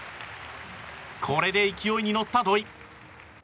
これで勢いに乗った土井。